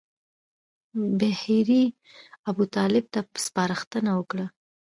بهیري ابوطالب ته سپارښتنه وکړه.